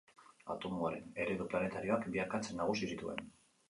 Atomoaren eredu planetarioak bi akats nagusi zituen.